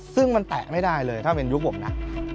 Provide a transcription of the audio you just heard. ซึ่งมันแตะไม่ได้เลยถ้าเป็นยุคผมนะ